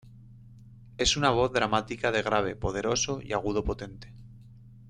Es una voz dramática de grave poderoso y agudo potente.